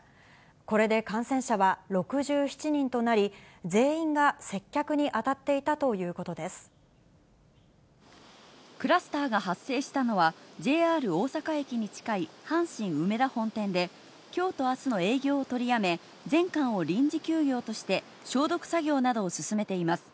これで感染者は６７人となり、全員が接客に当たっていたというクラスターが発生したのは、ＪＲ大阪駅に近い阪神梅田本店で、きょうとあすの営業を取りやめ、全館を臨時休業として消毒作業などを進めています。